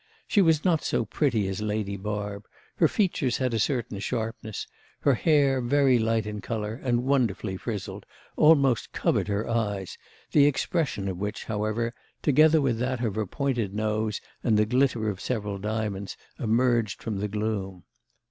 She was not so pretty as Lady Barb; her features had a certain sharpness; her hair, very light in colour and wonderfully frizzled, almost covered her eyes, the expression of which, however, together with that of her pointed nose and the glitter of several diamonds, emerged from the gloom.